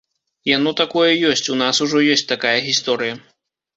Яно такое ёсць, у нас ужо ёсць такая гісторыя.